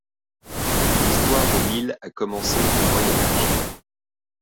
L'histoire de l'île a commencé au Moyen Âge.